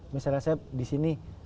misalnya saya di sini